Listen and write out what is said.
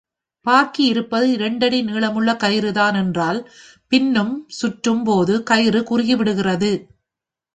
பாக்கியிருப்பது இரண்டடி நீளமுள்ள கயிறுதான் என்றால் பின்னும் சுற்றும்போது, கயிறு குறுகிவிடுகிறது.